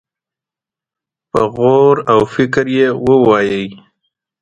په غور او فکر يې ووايي.